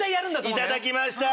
いただきました！